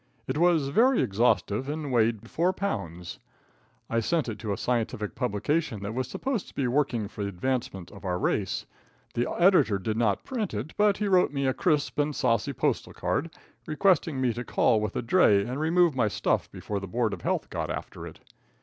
It was very exhaustive and weighed four pounds. I sent it to a scientific publication that was supposed to be working for the advancement of our race. The editor did not print it, but he wrote me a crisp and saucy postal card, requesting me to call with a dray and remove my stuff before the board of health got after it.